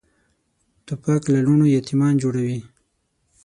توپک له لوڼو یتیمان جوړوي.